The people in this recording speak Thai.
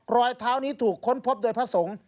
รอยเท้านี้ถูกค้นพบโดยพระสงฆ์